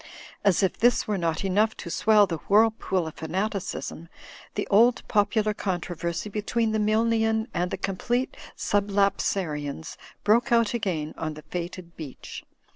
As f this Avere not enough to swell the whirlpool of f anati asm, the old popular controversy between the Milnian ind the Complete Sublapsarians broke out again on he fated beach.